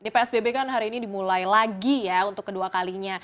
psbb kan hari ini dimulai lagi ya untuk kedua kalinya